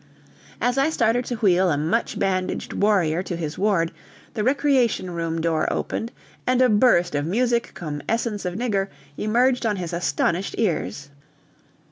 As I started to wheel a much bandaged warrior to his ward, the recreation room door opened and a burst of music cum essence of nigger emerged on his astonished ears.